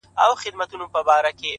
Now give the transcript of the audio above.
د نيمي شپې د خاموشۍ د فضا واړه ستـوري”